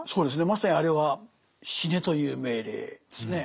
まさにあれは死ねという命令ですね。